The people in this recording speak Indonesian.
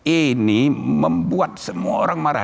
ini membuat semua orang marah